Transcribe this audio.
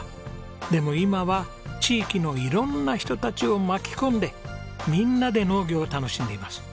でも今は地域の色んな人たちを巻き込んでみんなで農業を楽しんでいます。